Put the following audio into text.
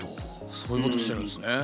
そういうことしてるんですね。